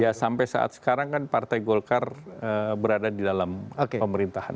ya sampai saat sekarang kan partai golkar berada di dalam pemerintahan